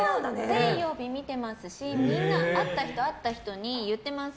全曜日見てますしみんな、会った人に言ってます。